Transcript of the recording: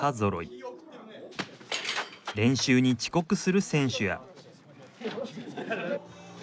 練習に遅刻する選手や。